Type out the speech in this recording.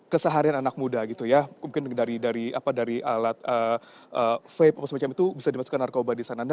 keseharian anak muda gitu ya mungkin dari alat vape atau semacam itu bisa dimasukkan narkoba di sana